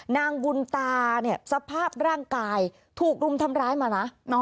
นางบุญตาเนี่ยสภาพร่างกายถูกรุมทำร้ายมานะ